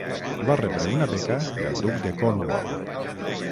Va rebre una beca del duc de Cornwall.